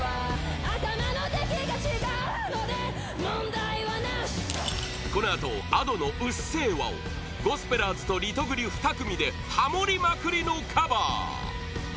第４位このあとＡｄｏの「うっせぇわ」をゴスペラーズとリトグリ２組でハモりまくりのカバー